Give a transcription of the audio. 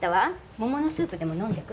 桃のスープでも飲んでく？